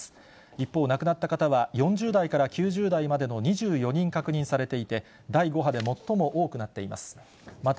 一方、亡くなった方は４０代から９０代までの２４人確認されていて、第５波で最も多くなっています。